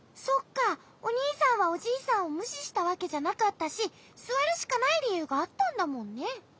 そっかおにいさんはおじいさんをむししたわけじゃなかったしすわるしかないりゆうがあったんだもんね。